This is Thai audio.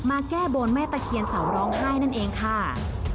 แก้บนแม่ตะเคียนเสาร้องไห้นั่นเองค่ะ